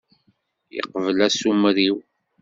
Yeqbel asumer-iw.